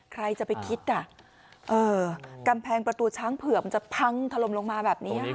ใครจะไปคิดอ่ะเออกำแพงประตูช้างเผือกมันจะพังทรมลงมาแบบนี้ค่ะ